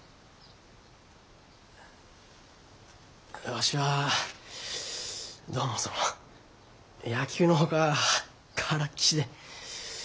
わしはどうもその野球のほかあからっきしで。